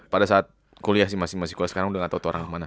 pada saat kuliah sih masih kuliah sekarang udah gak tau tuh orang kemana